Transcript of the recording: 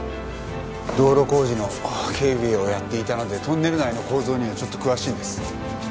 道路工事の警備をやっていたのでトンネル内の構造にはちょっと詳しいんです。